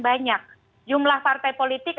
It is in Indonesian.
banyak jumlah partai politik